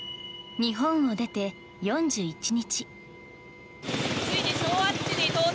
日本を出て４１日。